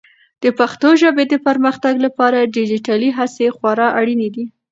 د پښتو ژبې د پرمختګ لپاره ډیجیټلي هڅې خورا اړینې دي.